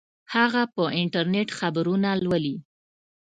هغه په انټرنیټ خبرونه لولي